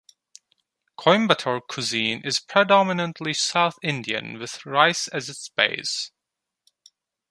Coimbatore cuisine is predominantly south Indian with rice as its base.